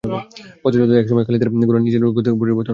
পথ চলতে চলতে এক সময় খালিদের ঘোড়া নিজেই নিজের গতি পরিবর্তন করে।